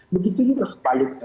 begitu juga sebaliknya